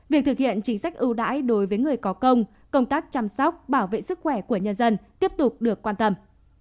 việc thực hiện chính sách ưu đãi đối với người có công công tác chăm sóc bảo vệ sức khỏe của nhân dân tiếp tục được quan tâm